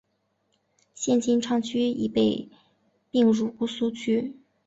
现金阊区已被并入姑苏区。